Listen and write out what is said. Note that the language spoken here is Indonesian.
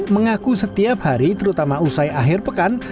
mengaku setiap hari terutama usai akhir pekan